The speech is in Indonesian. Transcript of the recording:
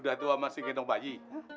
udah tua masih gendong bayi